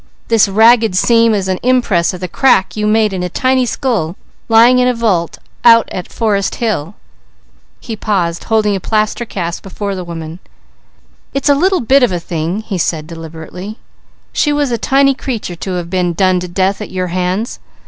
This ragged seam is an impress of the crack you made in a tiny skull lying in a vault out at Forest Hill." He paused, holding a plaster cast before the woman. "It's a little bit of a thing," he said deliberately. "She was a tiny creature to have been done to death at your hands.